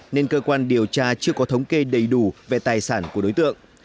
nên cơ quan điều tra chưa có thống kê đầy đủ về tài sản của đối tượng